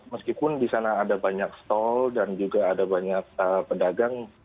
meskipun di sana ada banyak stol dan juga ada banyak pedagang